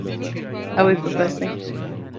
Ew ê bibeze.